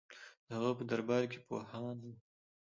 د هغه په دربار کې پوهان وو